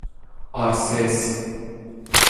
آرسِس